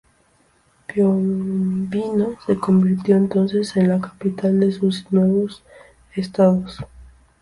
Piombino se convirtió entonces en la capital de sus nuevos Estados.